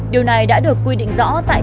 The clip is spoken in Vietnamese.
điều này đã được quy định rõ tại điều năm